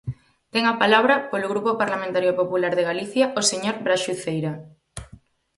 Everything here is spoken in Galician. Ten a palabra, polo Grupo Parlamentario Popular de Galicia, o señor Braxe Uceira.